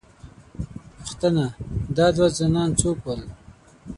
_پوښتنه، دا دوه ځوانان څوک ول؟